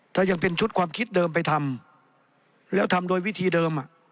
ถ้ายังเป็นชุดความคิดเดิมไปทำแล้วทำโดยวิธีเดิม